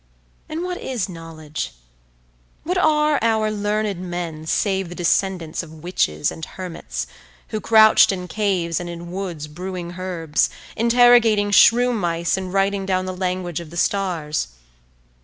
And what is knowledge? What are our learned men save the descendants of witches and hermits who crouched in caves and in woods brewing herbs, interrogating shrew mice and writing down the language of the stars?